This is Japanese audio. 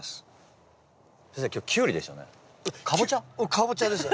カボチャです。